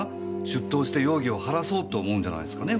出頭して容疑を晴らそうと思うんじゃないんすかね